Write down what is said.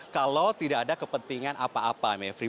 kalau tidak ada kepentingan apa apa mevri